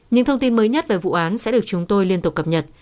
những thông tin mới nhất về vụ án sẽ được chúng tôi liên tục cập nhật